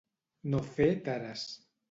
No fer tares.